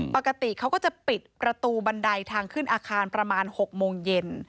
ปกติเขาก็จะปิดประตูบันไดทางขึ้นอาคารประมาณ๖โมงเย็น